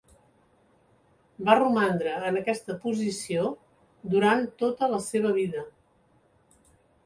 Va romandre en aquesta posició durant tota la seva vida.